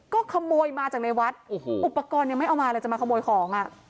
ก็ขโมยมาจากในวัดโอ้โหอุปกรณ์ยังไม่เอามาเลยจะมาขโมยของอ่ะ